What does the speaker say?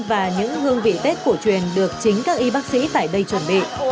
và những hương vị tết cổ truyền được chính các y bác sĩ tại đây chuẩn bị